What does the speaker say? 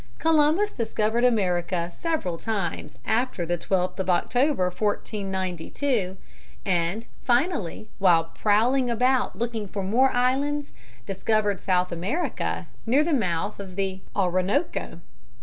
Columbus discovered America several times after the 12th of October, 1492, and finally, while prowling about looking for more islands, discovered South America near the mouth of the Orinoco.